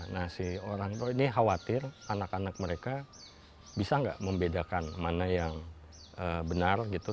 nah si orang tua ini khawatir anak anak mereka bisa nggak membedakan mana yang benar gitu